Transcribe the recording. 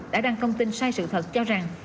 đã đăng công tin sai sự thật cho rằng